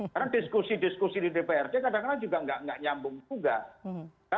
karena diskusi diskusi di dprd kadang kadang juga tidak menyambung juga